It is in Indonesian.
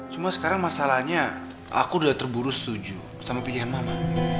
cuma sekarang masalahnya aku udah terburu setuju sama pilihan mama